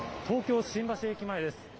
東京・新橋駅前です。